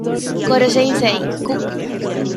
Koro-sensei Q!